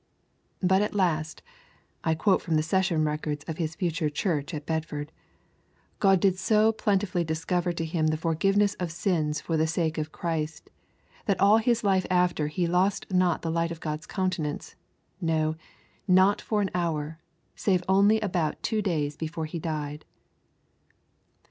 'But at last' I quote from the session records of his future church at Bedford 'God did so plentifully discover to him the forgiveness of sins for the sake of Christ, that all his life after he lost not the light of God's countenance, no, not for an hour, save only about two days before he died.'